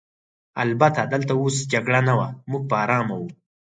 البته دلته اوس جګړه نه وه، موږ په آرامه وو.